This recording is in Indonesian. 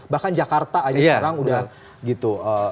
bahkan jakarta aja sekarang udah gitu